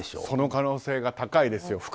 その可能性が高いですよ。